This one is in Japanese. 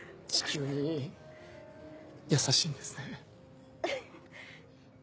地球に優しいんですね。